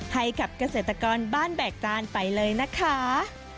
ให้กับเกษตรกรบ้านแบกจานไปเลยนะคะ